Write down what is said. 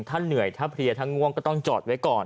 ถ้าเหนื่อยถ้าเพลียถ้าง่วงก็ต้องจอดไว้ก่อน